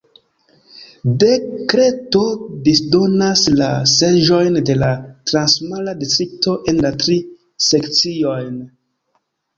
Dekreto disdonas la seĝojn de la transmara distrikto en la tri sekciojn.